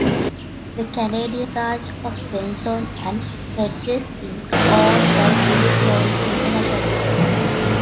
The Canadian branch of Benson and Hedges is owned by Philip Morris International.